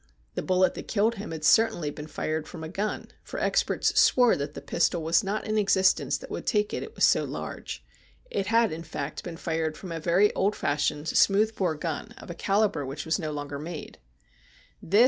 The bullet that killed him had certainly been fired from a gun, for experts swore that the pistol was not in existence that would take it, it was so large. It had, in fact, been fired from a very old fashioned smooth bore gun, of a calibre which was no longer made.